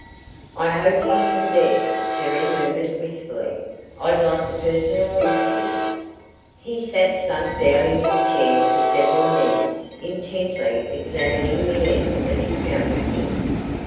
"I hope he isn't dead," Terry murmured wistfully. "I'd like a personal interview." He sat sunk down in his chair for several minutes intently examining the end of his fountain pen.